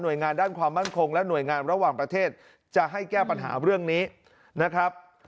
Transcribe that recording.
โดยงานด้านความมั่นคงและหน่วยงานระหว่างประเทศจะให้แก้ปัญหาเรื่องนี้นะครับ